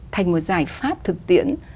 thành một giải pháp thực tiễn